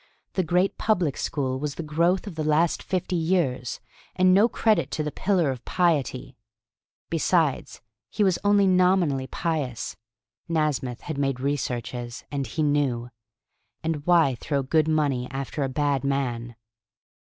The great public school was the growth of the last fifty years, and no credit to the pillar of piety. Besides, he was only nominally pious. Nasmyth had made researches, and he knew. And why throw good money after a bad man?